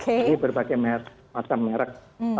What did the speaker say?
ini berbagai macam merek